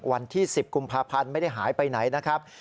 วันที่๑๐กุมภาพันธ์ไม่ได้หายไปไหนนะครับ